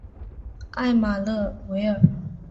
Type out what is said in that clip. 埃马勒维尔。